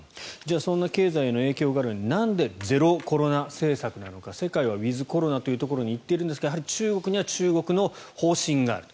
そんな経済の影響があるのになんでゼロコロナ政策なのか世界はウィズコロナというところに行っているんですがやはり中国には中国の方針がある。